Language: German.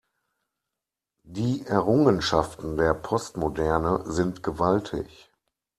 Die Errungenschaften der Postmoderne sind gewaltig.